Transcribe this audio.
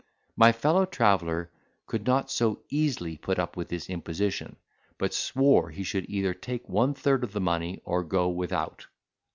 My fellow traveller could not so easily put up with this imposition; but swore he should either take one third of the money or go without.